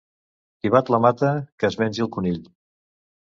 Qui bat la mata, que es mengi el conill.